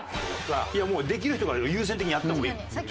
いやもうできる人から優先的にやった方がいいよ。